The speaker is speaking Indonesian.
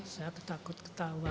saya ketakut ketawa